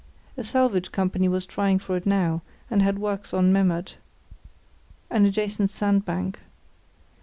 A salvage company was trying for it now, and had works on Memmert, an adjacent sandbank.